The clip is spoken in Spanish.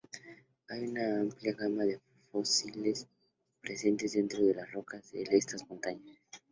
Hay una amplia gama de fósiles presentes dentro de las rocas de estas montañas.